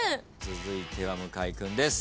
続いては向井君です。